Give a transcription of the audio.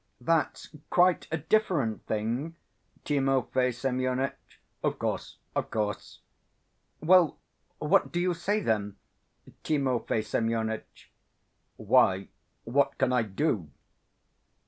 "That's quite a different thing, Timofey Semyonitch." "Of course, of course." "Well, what do you say then, Timofey Semyonitch?" "Why, what can I do?"